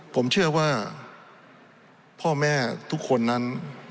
ผมเชื่อว่าพ่อแม่ทุกคนนั้น